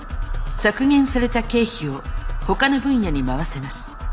削減された経費をほかの分野に回せます。